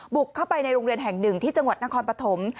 บุกเข้าไปในโรงเรียนแห่งหนึ่งที่จังหวัดนครปฐม